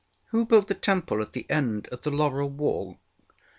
ŌĆ£Who built the temple at the end of the laurel walk?